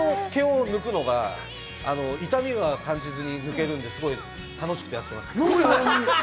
その毛を抜くのが痛みが感じずに抜けるので、楽しくやってます。